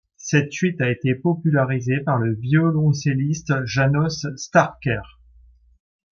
Cette suite a été popularisée par le violoncelliste János Starker.